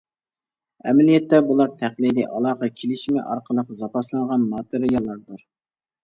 ئەمەلىيەتتە بۇلار تەقلىدىي ئالاقە كېلىشىمى ئارقىلىق زاپاسلانغان ماتېرىياللاردۇر.